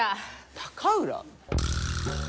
高浦？